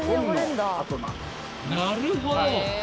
なるほど！